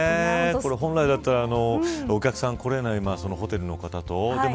本来だったら、お客さんが来れないままホテルの方も。